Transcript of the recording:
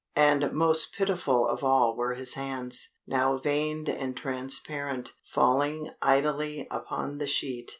And most pitiful of all were his hands, now veined and transparent, falling idly upon the sheet.